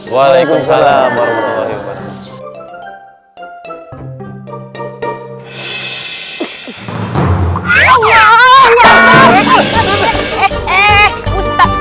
waalaikumsalam warahmatullahi wabarakatuh